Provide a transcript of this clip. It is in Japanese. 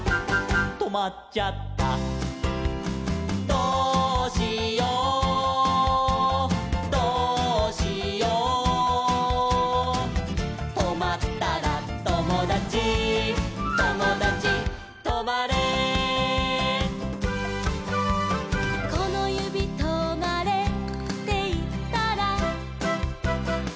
「どうしようどうしよう」「とまったらともだちともだちとまれ」「このゆびとまれっていったら」